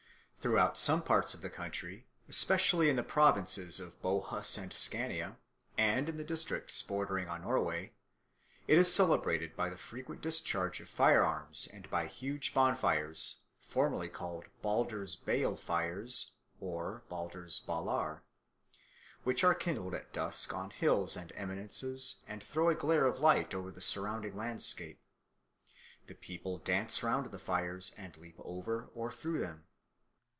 Throughout some parts of the country, especially in the provinces of Bohus and Scania and in districts bordering on Norway, it is celebrated by the frequent discharge of firearms and by huge bonfires, formerly called Balder's Balefires (Balder's Balar), which are kindled at dusk on hills and eminences and throw a glare of light over the surrounding landscape. The people dance round the fires and leap over or through them.